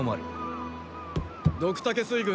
ドクタケ水軍